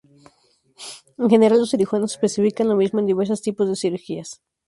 En general, los cirujanos especifican lo mismo en diversos tipos de cirugías.